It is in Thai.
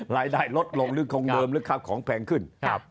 รายได้ลดลงหรือคงเดิมหรือข้าวของแพงขึ้น